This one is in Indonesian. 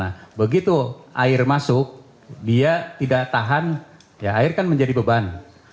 nah begitu air masuk dia tidak tahan ya air kan menjadi beban